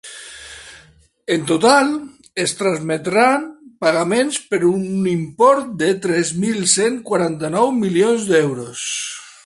En total, es trametran pagaments per un import de tres mil cent quaranta-nou milions d’euros.